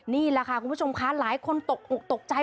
นี่แหละค่ะคุณผู้ชมคะหลายคนตกอกตกใจ